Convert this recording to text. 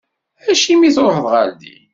Acimi i tṛuḥeḍ ɣer din?